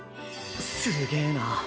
すげぇな。